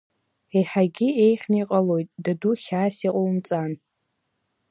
Еиҳагьы еиӷьны иҟалоит, даду, хьаас иҟаумҵан!